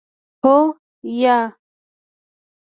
هو 👍 یا 👎